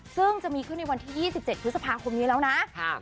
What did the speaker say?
ซึ่งจะมีขึ้นในวันที่๒๗พฤษภาคมนี้แล้วนะ